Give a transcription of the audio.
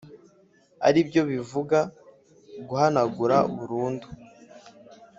ari byo bivuga guhanagura burundu